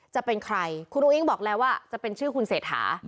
จะเป็นใครคุณอุ้งบอกแล้วว่าจะเป็นชื่อคุณเศรษฐา